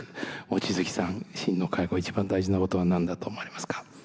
望月さん真の介護一番大事なことは何だと思われますか？